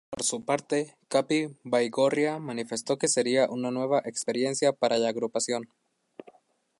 Por su parte Capi Baigorria manifestó que sería una nueva experiencia para la agrupación.